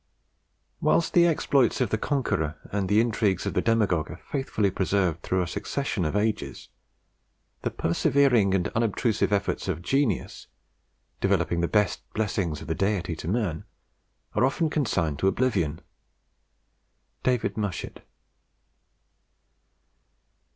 "Whilst the exploits of the conqueror and the intrigues of the demagogue are faithfully preserved through a succession of ages, the persevering and unobtrusive efforts of genius, developing the best blessings of the Deity to man, are often consigned to oblivion." David Mushet.